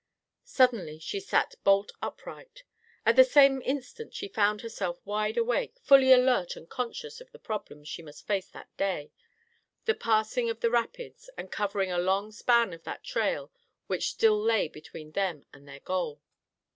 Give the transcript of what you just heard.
Suddenly she sat bolt upright. At the same instant she found herself wide awake, fully alert and conscious of the problems she must face that day—the passing of the rapids and covering a long span of that trail which still lay between them and their goal.